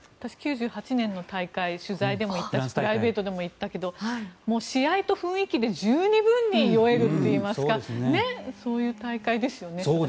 ９８年の大会取材でも行ってプライベートでも行ったけど試合と雰囲気で十二分に酔えるといいますかそういう大会ですよね。